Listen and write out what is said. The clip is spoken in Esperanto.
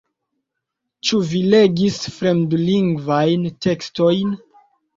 Ĉu vi legis fremdlingvajn tekstojn?